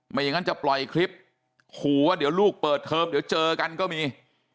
อย่างนั้นจะปล่อยคลิปขู่ว่าเดี๋ยวลูกเปิดเทอมเดี๋ยวเจอกันก็มี